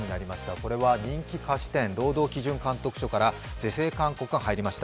これは人気菓子店、労働基準監督署から是正勧告が入りました。